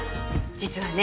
実はね